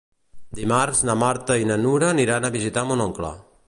Dimarts na Marta i na Nura aniran a visitar mon oncle.